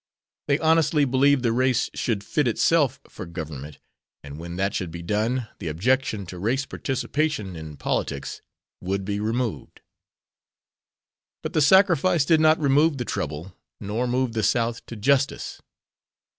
They honestly believed the race should fit itself for government, and when that should be done, the objection to race participation in politics would be removed. But the sacrifice did not remove the trouble, nor move the South to justice.